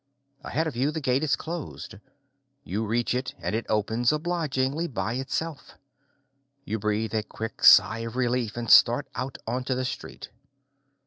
Ahead of you, the gate is closed. You reach it and it opens obligingly by itself. You breathe a quick sigh of relief and start out onto the street.